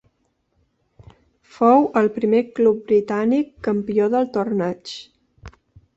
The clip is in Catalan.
Fou el primer club britànic campió del torneig.